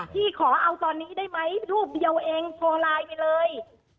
พี่ขอเอาตอนนี้ได้ไหมรูปเดียวเองโทรไลน์ไปเลย